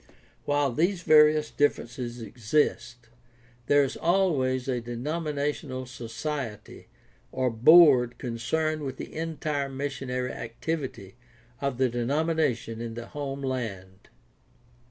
While these various differences exist, there is always a, denominational society or board concerned with the entire missionary activity of the denomination in the home land.